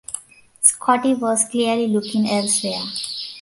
Scotty was clearly looking elsewhere.